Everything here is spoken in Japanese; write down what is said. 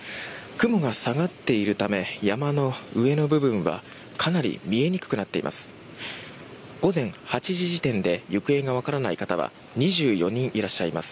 雲が下がっているため山の上の部分はかなり見えにくくなっています。